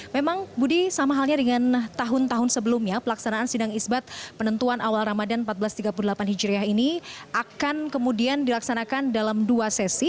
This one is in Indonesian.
memang budi sama halnya dengan tahun tahun sebelumnya pelaksanaan sidang isbat penentuan awal ramadan seribu empat ratus tiga puluh delapan hijriah ini akan kemudian dilaksanakan dalam dua sesi